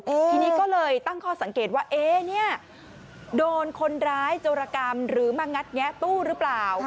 ทีนี้ก็เลยตั้งข้อสังเกตว่าเอ๊เนี่ยโดนคนร้ายโจรกรรมหรือมางัดแงะตู้หรือเปล่า